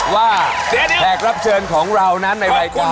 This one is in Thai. ว่าแพทย์รับเชิญของเรานั้นในรายการ